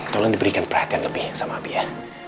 tolong diberikan perhatian lebih sama abi ya